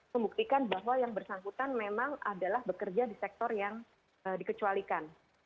membuktikan bahwa yang bersangkutan memang adalah bekerja di sektor yang dikecualikan